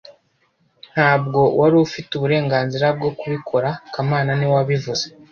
Ntabwo wari ufite uburenganzira bwo kubikora kamana niwe wabivuze